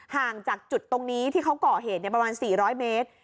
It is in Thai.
ห่างจากจุดตรงนี้ที่เขากอเหตุเนี่ยประมาณสี่ร้อยเมตร